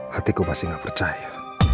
hatiku masih nggak percaya